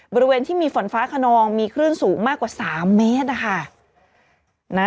บริเวณที่มีฝนฟ้าขนองมีคลื่นสูงมากกว่า๓เมตรนะคะ